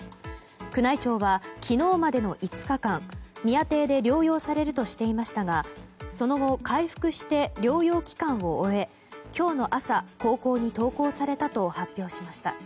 宮内庁は昨日までの５日間宮邸で療養されるとしていましたがその後、回復して療養期間を終え今日の朝、高校に登校されたと発表しました。